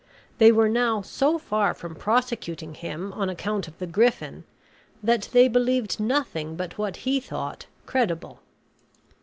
They were now so far from prosecuting him on account of the griffin, that they believed nothing but what he thought credible.